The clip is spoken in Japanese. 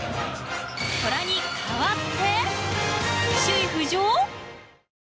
虎に代わって首位浮上？